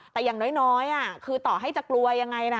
แต่อย่างน้อยคือต่อให้จะกลัวยังไงนะ